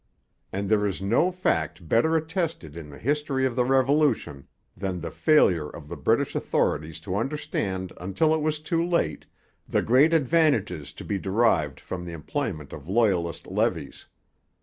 And there is no fact better attested in the history of the Revolution than the failure of the British authorities to understand until it was too late the great advantages to be derived from the employment of Loyalist levies.